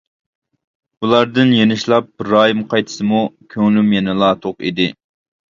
بۇلاردىن يېنىشلاپ رايىم قايتسىمۇ، كۆڭلۈم يەنىلا توق ئىدى.